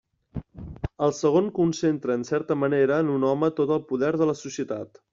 El segon concentra en certa manera en un home tot el poder de la societat.